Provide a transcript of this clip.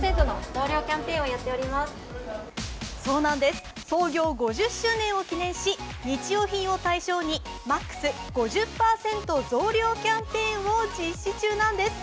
そんな中創業５０周年を記念し、日用品を対象にマックス５０％増量キャンペーンを実施中なんです。